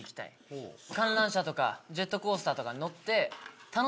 観覧車とかジェットコースターとかに乗って。